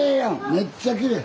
めっちゃきれい。